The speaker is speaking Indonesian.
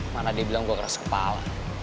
mana dia bilang gue keras kepala